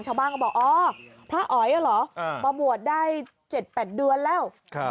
ชาวบ้านก็บอกอ๋อพระอ๋อยเหรอมาบวชได้๗๘เดือนแล้ว